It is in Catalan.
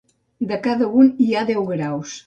De cada un hi ha deu graus.